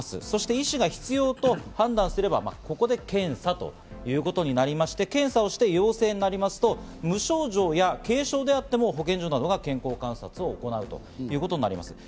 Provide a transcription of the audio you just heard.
そして医師が必要と判断すれば、ここで検査ということになりまして、検査をして陽性になりますと、無症状や軽症であっても保健所などが健康観察を行うということになります。